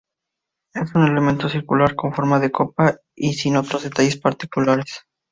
Es un elemento circular con forma de copa y sin otros detalles particulares.